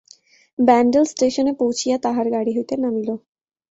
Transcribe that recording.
ব্যান্ডেল স্টেশনে পৌঁছিয়া তাহারা গাড়ি হইতে নামিল।